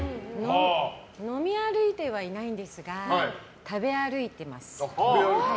飲み歩いてはいないんですが食べ歩いてます。